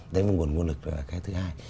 đấy là nguồn nguồn lực thứ hai